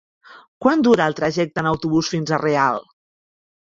Quant dura el trajecte en autobús fins a Real?